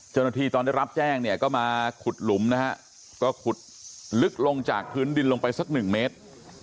ตอนได้รับแจ้งเนี่ยก็มาขุดหลุมนะฮะก็ขุดลึกลงจากพื้นดินลงไปสักหนึ่งเมตร